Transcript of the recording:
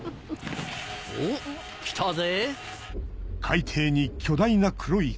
おっ来たぜ。